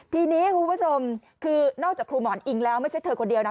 ทีนี้คุณผู้ชมคือนอกจากครูหมอนอิงแล้วไม่ใช่เธอคนเดียวนะ